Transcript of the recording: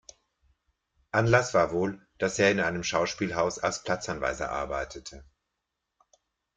Anlass war wohl, dass er in einem Schauspielhaus als Platzanweiser arbeitete.